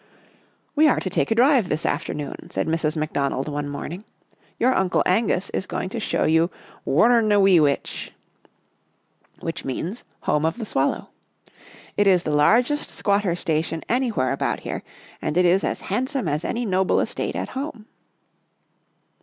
" We are to take a drive this afternoon, " said Mrs. McDonald one morning. " Your Uncle Angus is going to show you Wuurna wee weetch, which means * home of the swallow.' It is the largest squatter station anywhere about here, and it is as handsome as any noble estate at home."